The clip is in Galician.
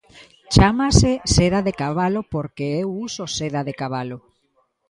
Chámase Seda de Cabalo porque eu uso seda de cabalo.